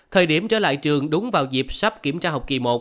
thời điểm trở lại trường đúng vào dịp sắp kiểm tra học kỳ một